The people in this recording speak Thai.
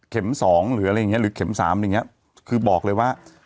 สองหรืออะไรอย่างเงี้หรือเข็มสามอย่างเงี้ยคือบอกเลยว่า